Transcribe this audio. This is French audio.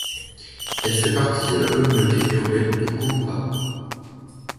Elle fait partie de la communauté urbaine de Kumba.